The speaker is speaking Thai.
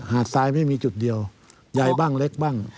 หาดซ้ายไม่มีจุดเดียวยายบ้างเล็กบ้าง